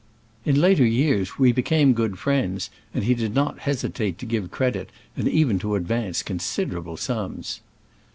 In later years we became good friends, and he did not hesitate to give credit and even to advance con siderable sums.